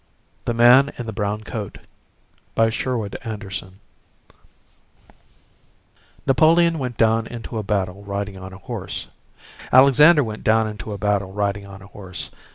THE MAN IN THE BROWN COAT Napoleon went down into a battle riding on a horse. Alexander went down into a battle riding on a horse.